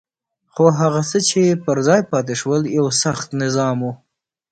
خو هغه څه چې پر ځای پاتې شول یو سخت نظام وو.